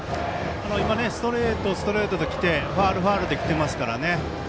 今、ストレートストレートできてファウル、ファウルできていますからね。